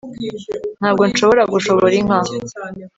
ntabwo nshobora gushobora inka